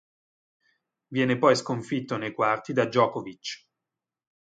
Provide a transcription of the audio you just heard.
Viene poi sconfitto nei quarti da Djokovic.